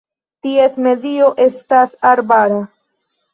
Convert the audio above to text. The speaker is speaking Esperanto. Ties medio estas arbara.